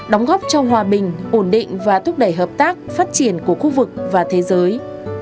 đóng góp cho hòa bình ổn định và thúc đẩy hợp tác phát triển của khu vực và thế giới